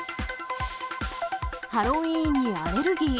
ハロウィーンにアレルギー。